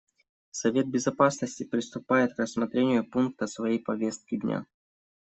Совет Безопасности приступает к рассмотрению пункта своей повестки дня.